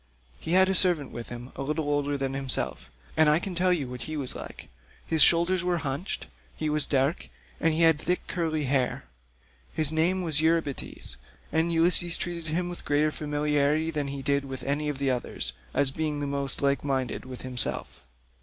He had a servant with him, a little older than himself, and I can tell you what he was like; his shoulders were hunched,154 he was dark, and he had thick curly hair. His name was Eurybates, and Ulysses treated him with greater familiarity than he did any of the others, as being the most like minded with himself."